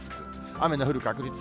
雨の降る確率。